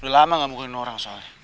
udah lama gak mulai ngenong orang soalnya